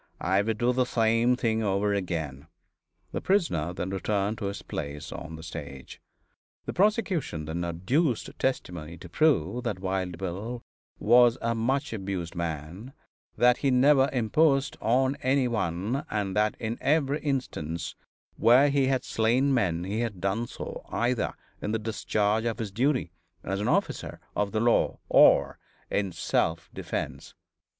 I would do the same thing over again." The prisoner then returned to his place on the stage. The prosecution then adduced testimony to prove that Wild Bill was a much abused man; that he never imposed on any one, and that in every instance where he had slain men he had done so either in the discharge of his duty as an officer of the law or in self defense.